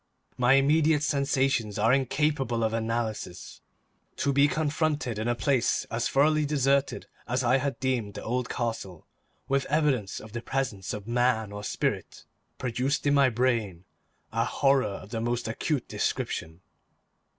My immediate sensations are incapable of analysis. To be confronted in a place as thoroughly deserted as I had deemed the old castle with evidence of the presence of man or spirit, produced in my brain a horror of the most acute description.